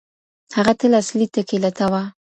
هغه تل اصلي ټکی لټاوه.